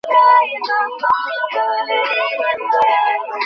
অবশ্য সংগঠনের সাবেক সভাপতিসহ বর্তমান পরিচালনা পর্ষদের একটি জরুরি বৈঠক হবে।